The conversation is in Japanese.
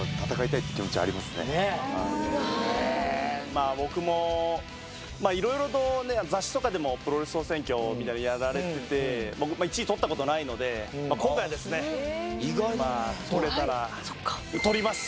まあ僕もいろいろと雑誌とかでもプロレス総選挙みたいなのやられてて僕１位とった事ないので今回はですねとれたら。